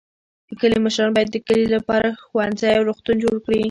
د کلي مشران باید د کلي لپاره ښوونځی او روغتون جوړ کړي.